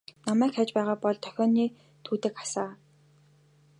Намайг хайж байгаа бол дохионы түүдэг асаана.